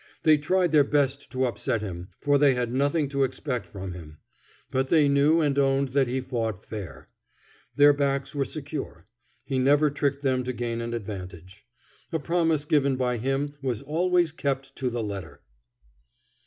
They tried their best to upset him, for they had nothing to expect from him. But they knew and owned that he fought fair. Their backs were secure. He never tricked them to gain an advantage. A promise given by him was always kept to the letter.